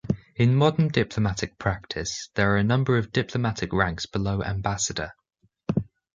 In modern diplomatic practice, there are a number of diplomatic ranks below Ambassador.